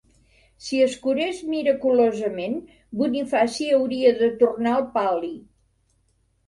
Si es curés miraculosament, Bonifaci hauria de tornar el pal·li.